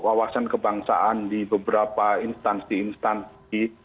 wawasan kebangsaan di beberapa instansi instansi